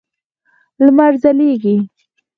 لمر ځلېږي.